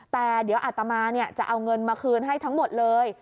แต่เดี๋ยวอัตมาจะเอาเงินมาคืนให้ทั้งหมดเลย